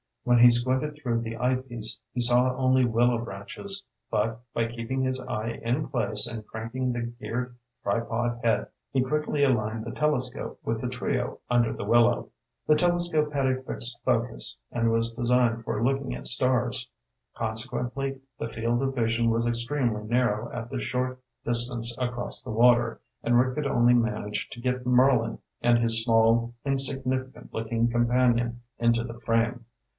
When he squinted through the eyepiece, he saw only willow branches, but, by keeping his eye in place and cranking the geared tripod head, he quickly aligned the telescope with the trio under the willow. [Illustration: Scotty fitted the camera to the telescope] The telescope had a fixed focus, and was designed for looking at stars. Consequently, the field of vision was extremely narrow at the short distance across the water, and Rick could only manage to get Merlin and his small, insignificant looking companion into the frame.